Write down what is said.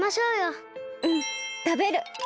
うんたべる！